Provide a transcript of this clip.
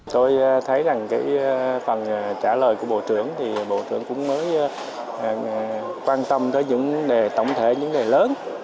tôi thấy rằng phần trả lời của bộ trưởng thì bộ trưởng cũng mới quan tâm tới những vấn đề tổng thể những người lớn